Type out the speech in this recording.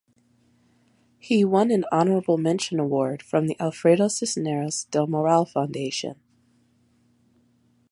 He won an honorable mention award from the Alfredo Cisneros Del Moral Foundation.